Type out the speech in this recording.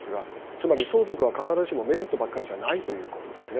つまり相続は必ずしもメリットばっかりじゃないということですね。